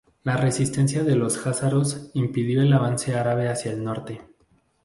La resistencia de los jázaros, impidió el avance árabe hacia el norte.